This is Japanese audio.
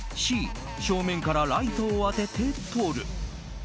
Ｃ、正面からライトを当てて撮る。